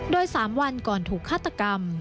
โดย๓วันก่อนถูกฆาตกรรม